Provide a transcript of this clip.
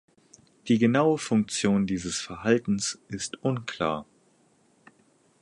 Die genaue Funktion dieses Verhaltens ist unklar.